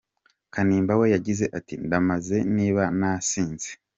Kanimba we yagize ati : “Ndamaze niba nasinze.